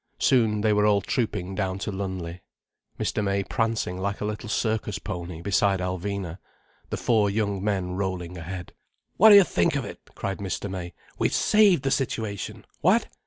Soon they were all trooping down to Lumley, Mr. May prancing like a little circus pony beside Alvina, the four young men rolling ahead. "What do you think of it?" cried Mr. May. "We've saved the situation—what?